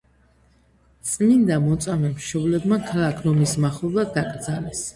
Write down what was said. წმინდა მოწამე მშობლებმა ქალაქ რომის მახლობლად დაკრძალეს.